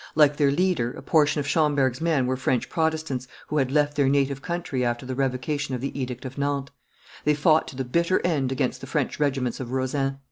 Like their leader, a portion of Schomberg's men were French Protestants who had left their native country after the revocation of the edict of Nantes; they fought to the bitter end against the French regiments of Rosen.